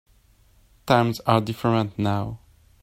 Times are different now.